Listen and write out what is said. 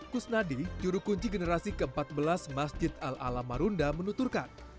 kusnadi juru kunci generasi ke empat belas masjid al alam marunda menuturkan